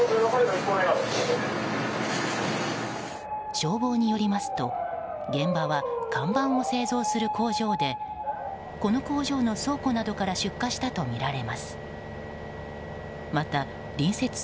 消防によりますと現場は看板を製造する工場でこの工場の倉庫などから出火したとみられます。